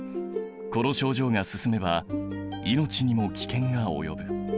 この症状が進めば命にも危険が及ぶ。